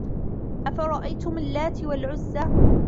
أفرأيتم اللات والعزى